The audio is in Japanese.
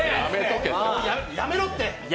やめろって。